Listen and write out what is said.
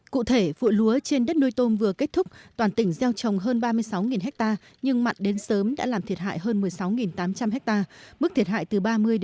cụ thể vụ lúa trên đất nuôi tôm vừa kết thúc toàn tỉnh gieo trồng hơn ba mươi sáu ha nhưng mặn đến sớm đã làm thiệt hại hơn một mươi sáu tám trăm linh ha mức thiệt hại từ ba mươi năm mươi